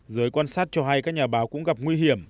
giới quan sát cho hay các nhà báo cũng gặp nguy hiểm